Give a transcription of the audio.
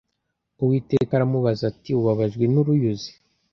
Uwiteka aramubaza ati ubabajwe n uruyuzi